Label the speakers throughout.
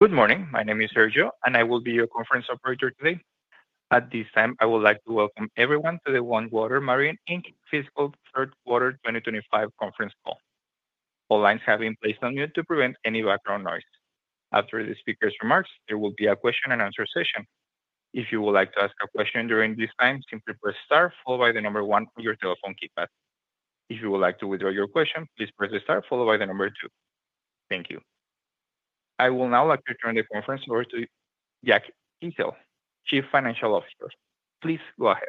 Speaker 1: Good morning. My name is Sergio, and I will be your conference operator today. At this time, I would like to welcome everyone to the OneWater Marine Inc. fiscal third quarter 2025 conference call. All lines have been placed on mute to prevent any background noise. After the speaker's remarks, there will be a question and answer session. If you would like to ask a question during this time, simply press star followed by the number one on your telephone keypad. If you would like to withdraw your question, please press the star followed by the number two. Thank you. I will now like to turn the conference over to Jack Ezzell, Chief Financial Officer. Please go ahead.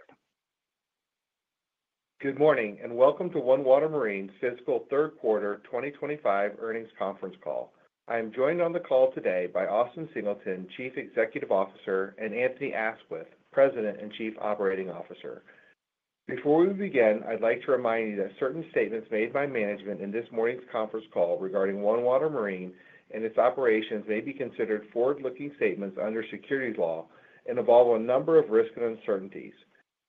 Speaker 2: Good morning and welcome to OneWater Marine Inc.'s fiscal third quarter 2025 earnings conference call. I am joined on the call today by Austin Singleton, Chief Executive Officer, and Anthony Aisquith, President and Chief Operating Officer. Before we begin, I'd like to remind you that certain statements made by management in this morning's conference call regarding OneWater Marine Inc. and its operations may be considered forward-looking statements under securities law and involve a number of risks and uncertainties.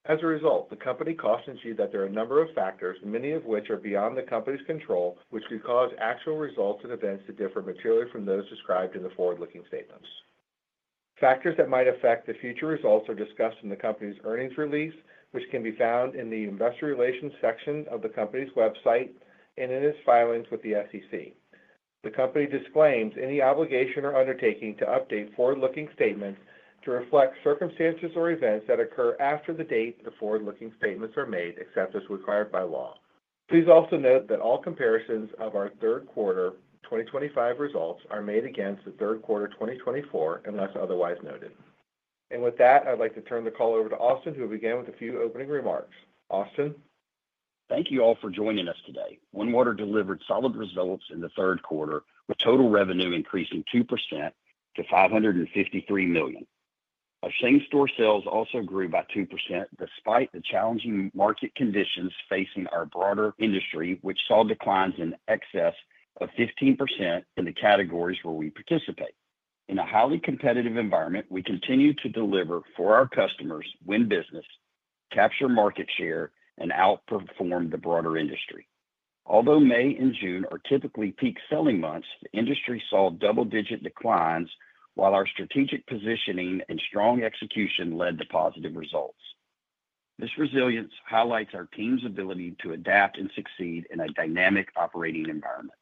Speaker 2: As a result, the company cautions you that there are a number of factors, many of which are beyond the company's control, which could cause actual results and events to differ materially from those described in the forward-looking statements. Factors that might affect the future results are discussed in the company's earnings release, which can be found in the investor relations section of the company's website and in its filings with the SEC. The company disclaims any obligation or undertaking to update forward-looking statements to reflect circumstances or events that occur after the date the forward-looking statements are made, except as required by law. Please also note that all comparisons of our third quarter 2025 results are made against the third quarter 2024 unless otherwise noted. With that, I'd like to turn the call over to Austin, who will begin with a few opening remarks. Austin?
Speaker 3: Thank you all for joining us today. OneWater Marine Inc. delivered solid results in the third quarter, with total revenue increasing 2% to $553 million. Our same-store sales also grew by 2% despite the challenging market conditions facing our broader industry, which saw declines in excess of 15% in the categories where we participate. In a highly competitive environment, we continue to deliver for our customers, win business, capture market share, and outperform the broader industry. Although May and June are typically peak selling months, the industry saw double-digit declines, while our strategic positioning and strong execution led to positive results. This resilience highlights our team's ability to adapt and succeed in a dynamic operating environment.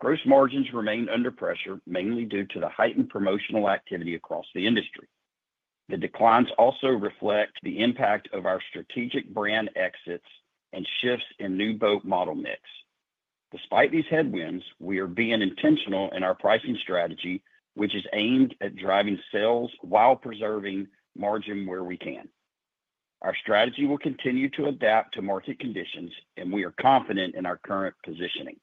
Speaker 3: Gross margins remain under pressure, mainly due to the heightened promotional activity across the industry. The declines also reflect the impact of our strategic brand exits and shifts in new boat model mix. Despite these headwinds, we are being intentional in our pricing strategy, which is aimed at driving sales while preserving margin where we can. Our strategy will continue to adapt to market conditions, and we are confident in our current positioning.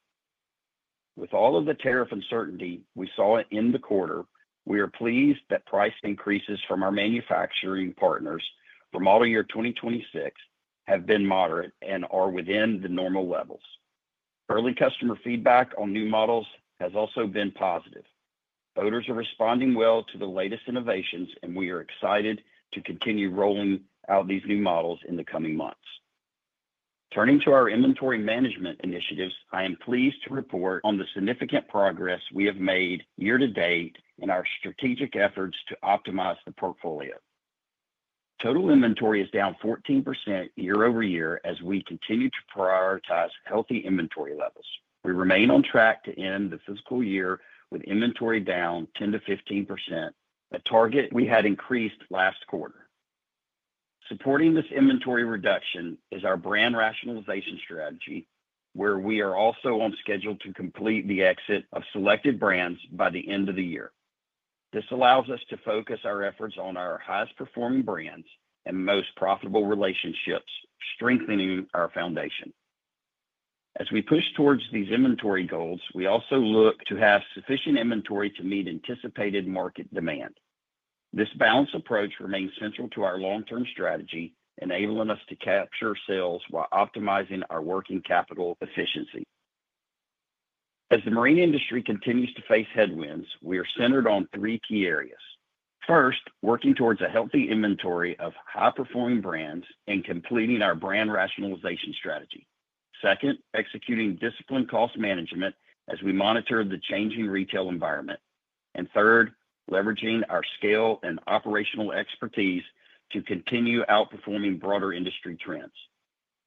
Speaker 3: With all of the tariff uncertainty we saw in the quarter, we are pleased that price increases from our manufacturing partners for model year 2026 have been moderate and are within the normal levels. Early customer feedback on new models has also been positive. Boaters are responding well to the latest innovations, and we are excited to continue rolling out these new models in the coming months. Turning to our inventory management initiatives, I am pleased to report on the significant progress we have made year to date in our strategic efforts to optimize the portfolio. Total inventory is down 14% year-over-year as we continue to prioritize healthy inventory levels. We remain on track to end the fiscal year with inventory down 10%-15%, a target we had increased last quarter. Supporting this inventory reduction is our brand rationalization strategy, where we are also on schedule to complete the exit of selected brands by the end of the year. This allows us to focus our efforts on our highest performing brands and most profitable relationships, strengthening our foundation. As we push towards these inventory goals, we also look to have sufficient inventory to meet anticipated market demand. This balanced approach remains central to our long-term strategy, enabling us to capture sales while optimizing our working capital efficiency. As the marine industry continues to face headwinds, we are centered on three key areas. First, working towards a healthy inventory of high-performing brands and completing our brand rationalization strategy. Second, executing disciplined cost management as we monitor the changing retail environment. Third, leveraging our scale and operational expertise to continue outperforming broader industry trends.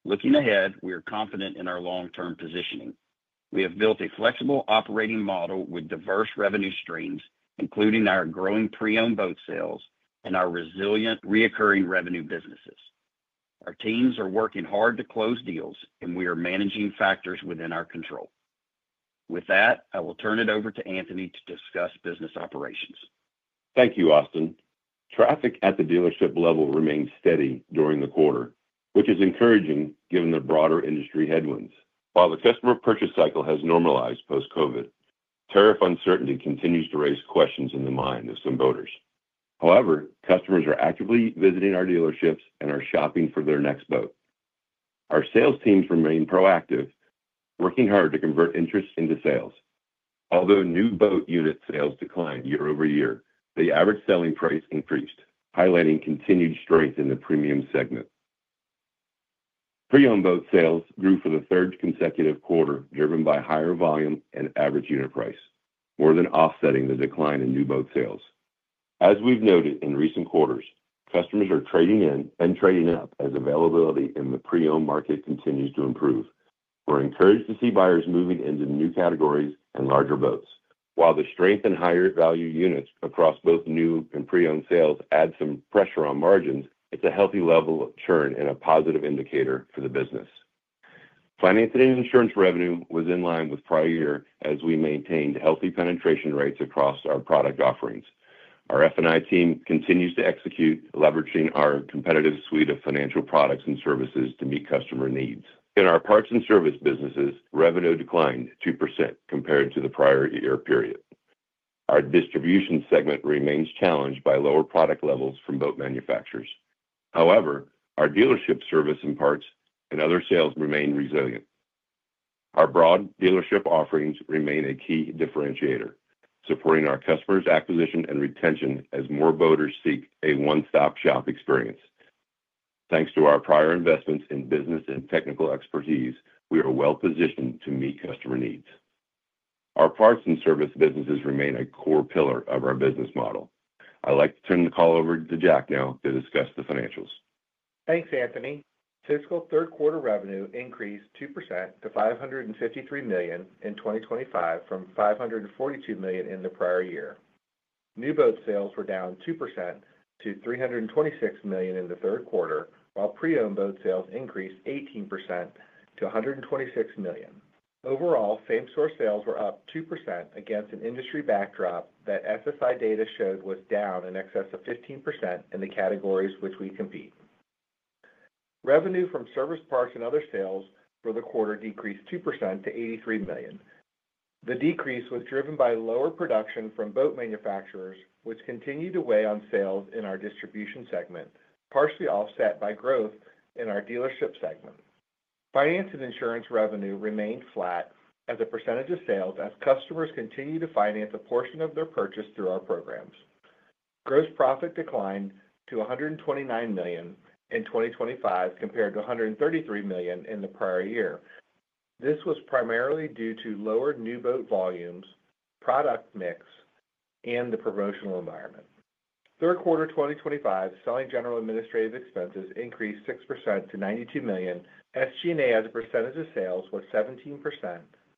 Speaker 3: Looking ahead, we are confident in our long-term positioning. We have built a flexible operating model with diverse revenue streams, including our growing pre-owned boat sales and our resilient recurring revenue businesses. Our teams are working hard to close deals, and we are managing factors within our control. With that, I will turn it over to Anthony to discuss business operations.
Speaker 4: Thank you, Austin. Traffic at the dealership level remains steady during the quarter, which is encouraging given the broader industry headwinds. While the customer purchase cycle has normalized post-COVID, tariff uncertainty continues to raise questions in the minds of some boaters. However, customers are actively visiting our dealerships and are shopping for their next boat. Our sales teams remain proactive, working hard to convert interest into sales. Although new boat unit sales declined year-over-year, the average selling price increased, highlighting continued strength in the premium segment. Pre-owned boat sales grew for the third consecutive quarter, driven by higher volume and average unit price, more than offsetting the decline in new boat sales. As we've noted in recent quarters, customers are trading in and trading up as availability in the pre-owned market continues to improve. We're encouraged to see buyers moving into new categories and larger boats. While the strength in higher value units across both new and pre-owned sales adds some pressure on margins, it's a healthy level of churn and a positive indicator for the business. Finance and insurance revenue was in line with prior year as we maintained healthy penetration rates across our product offerings. Our F&I team continues to execute, leveraging our competitive suite of financial products and services to meet customer needs. In our parts and service businesses, revenue declined 2% compared to the prior year period. Our distribution segment remains challenged by lower product levels from boat manufacturers. However, our dealership service and parts and other sales remain resilient. Our broad dealership offerings remain a key differentiator, supporting our customers' acquisition and retention as more boaters seek a one-stop shop experience. Thanks to our prior investments in business and technical expertise, we are well positioned to meet customer needs. Our parts and service businesses remain a core pillar of our business model. I'd like to turn the call over to Jack now to discuss the financials.
Speaker 2: Thanks, Anthony. Fiscal third quarter revenue increased 2% to $553 million in 2025 from $542 million in the prior year. New boat sales were down 2% to $326 million in the third quarter, while pre-owned boat sales increased 18% to $126 million. Overall, same-store sales were up 2% against an industry backdrop that SSI data showed was down in excess of 15% in the categories in which we compete. Revenue from service, parts, and other sales for the quarter decreased 2% to $83 million. The decrease was driven by lower production from boat manufacturers, which continued to weigh on sales in our distribution segment, partially offset by growth in our dealership segment. Finance and insurance revenue remained flat as a percentage of sales as customers continue to finance a portion of their purchase through our programs. Gross profit declined to $129 million in 2025 compared to $133 million in the prior year. This was primarily due to lower new boat volumes, product mix, and the promotional environment. Third quarter 2025 selling, general, and administrative expenses increased 6% to $92 million. SG&A as a percentage of sales was 17%,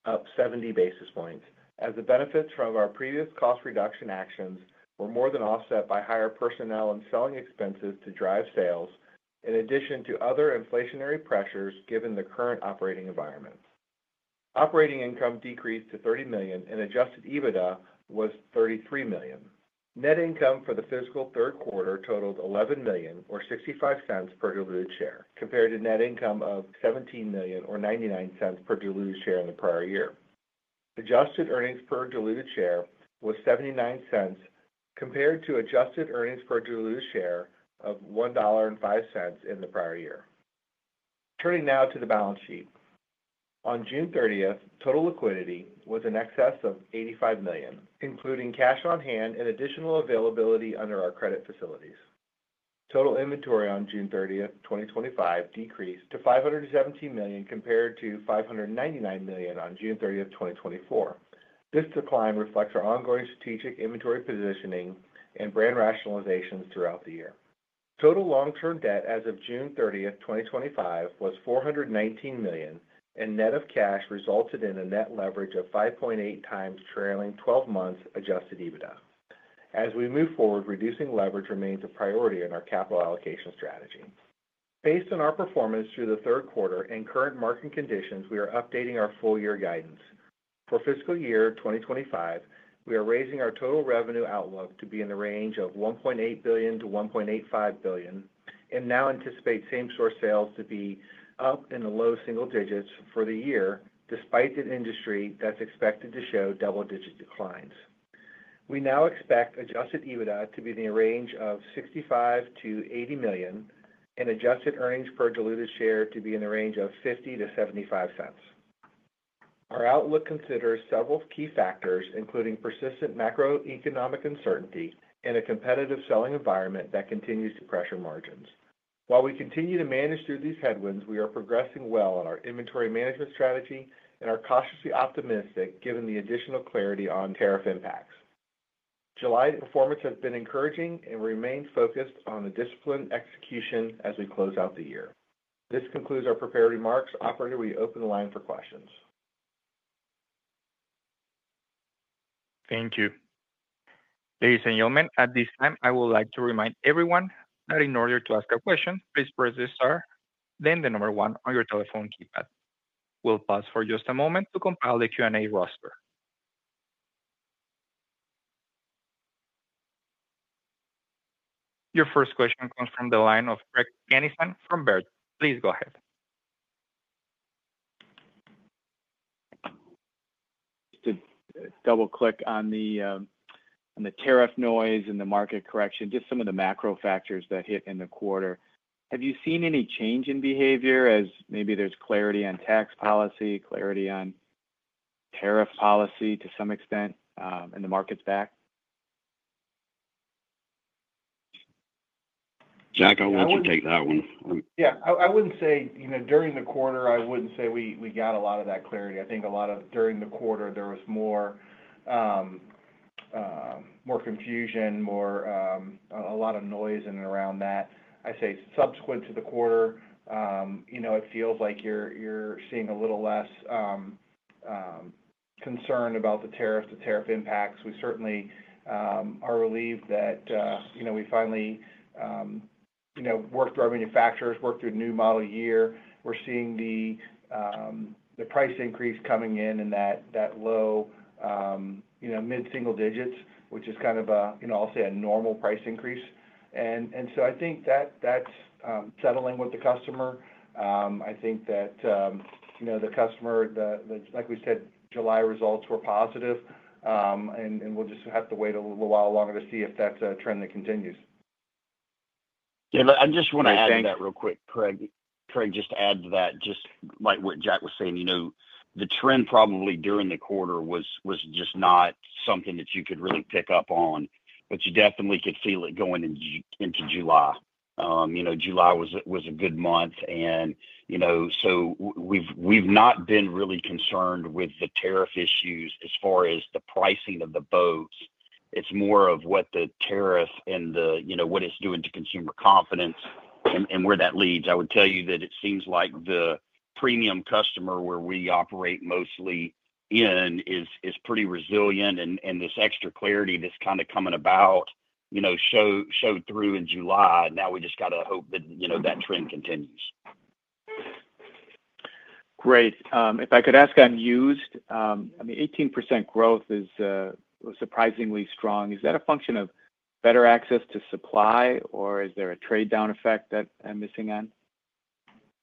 Speaker 2: up 70 basis points, as the benefits from our previous cost reduction actions were more than offset by higher personnel and selling expenses to drive sales, in addition to other inflationary pressures given the current operating environment. Operating income decreased to $30 million and adjusted EBITDA was $33 million. Net income for the fiscal third quarter totaled $11 million or $0.65 per diluted share, compared to net income of $17 million or $0.99 per diluted share in the prior year. Adjusted earnings per diluted share was $0.79 compared to adjusted earnings per diluted share of $1.05 in the prior year. Turning now to the balance sheet. On June 30, total liquidity was in excess of $85 million, including cash on hand and additional availability under our credit facilities. Total inventory on June 30, 2025 decreased to $517 million compared to $599 million on June 30, 2024. This decline reflects our ongoing strategic inventory positioning and brand rationalizations throughout the year. Total long-term debt as of June 30, 2025 was $419 million, and net of cash resulted in a net leverage of 5.8x trailing 12 months adjusted EBITDA. As we move forward, reducing leverage remains a priority in our capital allocation strategy. Based on our performance through the third quarter and current market conditions, we are updating our full-year guidance. For fiscal year 2025, we are raising our total revenue outlook to be in the range of $1.8 billion to $1.85 billion and now anticipate same-store sales to be up in the low single-digits for the year, despite an industry that's expected to show double-digit declines. We now expect adjusted EBITDA to be in the range of $65 million-$80 million and adjusted EPS to be in the range of $0.50-$0.75. Our outlook considers several key factors, including persistent macroeconomic uncertainty and a competitive selling environment that continues to pressure margins. While we continue to manage through these headwinds, we are progressing well in our inventory management strategy and are cautiously optimistic given the additional clarity on tariff impacts. July performance has been encouraging, and we remain focused on a disciplined execution as we close out the year. This concludes our prepared remarks. Operator, we open the line for questions.
Speaker 1: Thank you. Ladies and gentlemen, at this time, I would like to remind everyone that in order to ask a question, please press the star, then the number one on your telephone keypad. We'll pause for just a moment to compile the Q&A roster. Your first question comes from the line of Craig Kennison from Baird. Please go ahead.
Speaker 5: Just to double-click on the tariff noise and the market correction, just some of the macro factors that hit in the quarter. Have you seen any change in behavior as maybe there's clarity on tax policy, clarity on tariff policy to some extent, and the market's back?
Speaker 4: Jack, I'll let you take that one.
Speaker 2: I wouldn't say during the quarter we got a lot of that clarity. I think during the quarter there was more confusion, more noise in and around that. I say subsequent to the quarter it feels like you're seeing a little less concern about the tariff impacts. We certainly are relieved that we finally worked through our manufacturers, worked through a new model year. We're seeing the price increase coming in at that low to mid-single digits, which is kind of a normal price increase. I think that's settling with the customer. I think the customer, like we said, July results were positive, and we'll just have to wait a little while longer to see if that's a trend that continues.
Speaker 3: I just want to add to that real quick, Craig. Just like what Jack was saying, the trend probably during the quarter was just not something that you could really pick up on, but you definitely could feel it going into July. July was a good month, and we've not been really concerned with the tariff issues as far as the pricing of the boats. It's more of what the tariff and what it's doing to consumer confidence and where that leads. I would tell you that it seems like the premium customer, where we operate mostly in, is pretty resilient, and this extra clarity that's kind of coming about showed through in July. Now we just got to hope that trend continues.
Speaker 5: Great. If I could ask, I mean, 18% growth is surprisingly strong. Is that a function of better access to supply, or is there a trade-down effect that I'm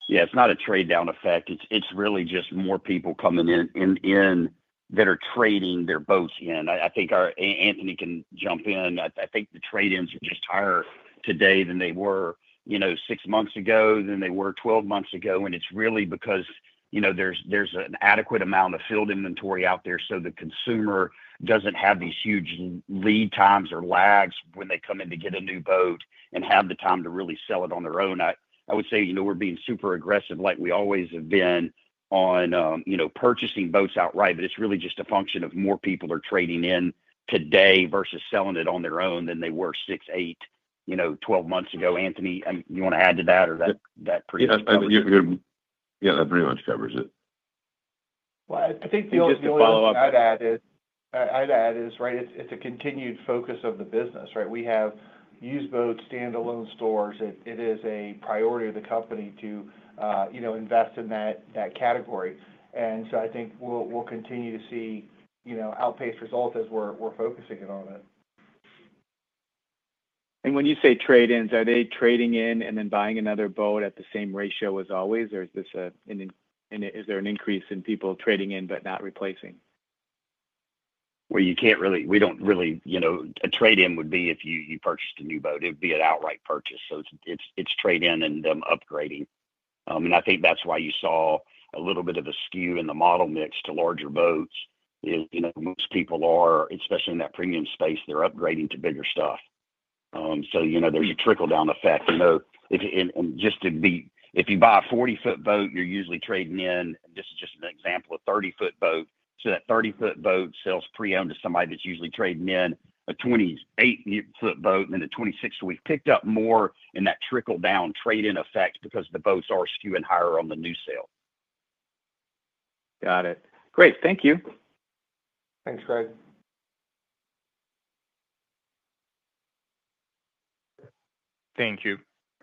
Speaker 5: missing on?
Speaker 3: Yeah, it's not a trade-down effect. It's really just more people coming in that are trading their boats in. I think Anthony can jump in. I think the trade-ins are just higher today than they were, you know, six months ago, than they were 12 months ago. It's really because there's an adequate amount of filled inventory out there, so the consumer doesn't have these huge lead times or lags when they come in to get a new boat and have the time to really sell it on their own. I would say we're being super aggressive like we always have been on purchasing boats outright, but it's really just a function of more people are trading in today versus selling it on their own than they were six, eight, 12 months ago. Anthony, you want to add to that or that?
Speaker 4: Yeah, that pretty much covers it.
Speaker 2: I'd add is it's a continued focus of the business, right? We have pre-owned boats, standalone stores. It is a priority of the company to invest in that category, and I think we'll continue to see outpaced results as we're focusing in on it.
Speaker 5: When you say trade-ins, are they trading in and then buying another boat at the same ratio as always, or is this an, is there an increase in people trading in but not replacing?
Speaker 3: You can't really, we don't really, you know, a trade-in would be if you purchased a new boat. It would be an outright purchase. It's trade-in and them upgrading. I think that's why you saw a little bit of a skew in the model mix to larger boats. Most people are, especially in that premium space, they're upgrading to bigger stuff. There's a trickle-down effect. Just to be, if you buy a 40-foot boat, you're usually trading in, this is just an example, a 30-foot boat. That 30-foot boat sells pre-owned to somebody that's usually trading in a 28-foot boat and then a 26-foot. We've picked up more in that trickle-down trade-in effect because the boats are skewing higher on the new sale.
Speaker 5: Got it. Great. Thank you.
Speaker 3: Thanks, Craig.
Speaker 1: Thank you.